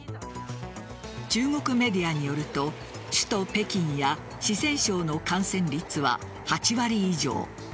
中国メディアによると首都・北京や四川省の感染率は８割以上。